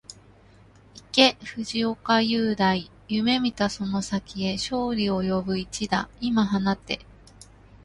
行け藤岡裕大、夢見たその先へ、勝利を呼ぶ一打、今放て